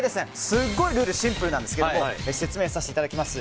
すごいルールシンプルなんですが説明させていただきます。